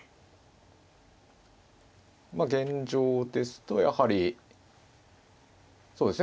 現状ですとやはりそうですね